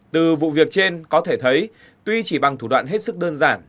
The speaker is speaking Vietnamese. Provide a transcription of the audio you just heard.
từ vụ việc trên có thể thấy tuy chỉ bằng thủ đoạn hết sức đơn giản